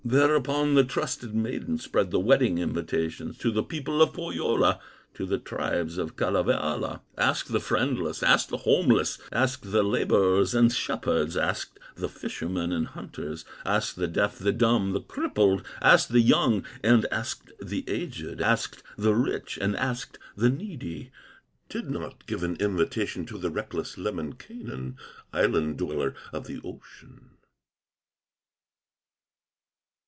Thereupon the trusted maiden Spread the wedding invitations To the people of Pohyola, To the tribes of Kalevala; Asked the friendless, asked the homeless Asked the laborers and shepherds, Asked the fishermen and hunters, Asked the deaf, the dumb, the crippled, Asked the young, and asked the aged, Asked the rich, and asked the needy; Did not give an invitation To the reckless Lemminkainen, Island dweller of the ocean.